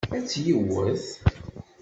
Ad tt-yewwet.